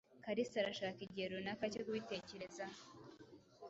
Kalisa arashaka igihe runaka cyo kubitekerezaho.